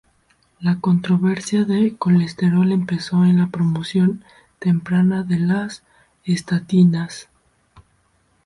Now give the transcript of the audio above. La controversia de colesterol empezó en la promoción temprana de las estatinas.